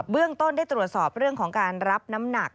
เรื่องต้นได้ตรวจสอบเรื่องของการรับน้ำหนัก